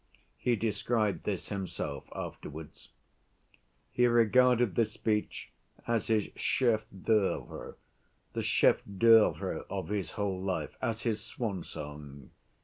He described this himself afterwards. He regarded this speech as his chef‐d'œuvre, the chef‐d'œuvre of his whole life, as his swan‐song.